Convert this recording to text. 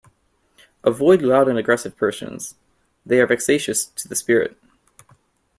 Avoid loud and aggressive persons; they are vexatious to the spirit.